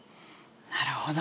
なるほど。